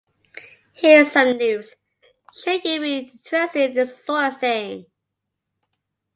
Here is some news, should you be interested in this sort of thing.